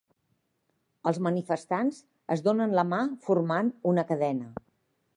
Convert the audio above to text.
Els manifestants es donen la mà formant una cadena.